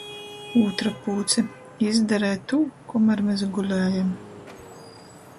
Ūtra pūce: -Jī izdarē tū, komer mes gulējem.